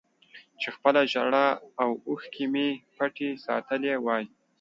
چې خپله ژړا او اوښکې مې پټې ساتلې وای